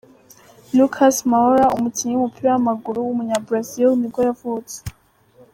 Lucas Moura, umukinnyi w’umupira w’amaguru w’umunyabrazil nibwo yavutse.